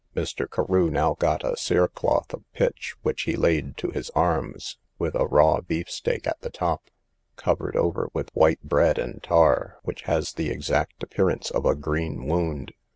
Mr. Carew now got a cere cloth of pitch, which he laid to his arms, with a raw beef steak at the top, covered over with white bread and tar, which has the exact appearance of a green wound.